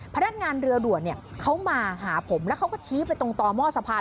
พนักงานเรือด่วนเนี่ยเขามาหาผมแล้วเขาก็ชี้ไปตรงต่อหม้อสะพาน